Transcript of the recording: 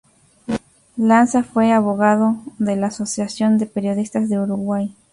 Lanza fue abogado de la Asociación de Periodistas de Uruguay.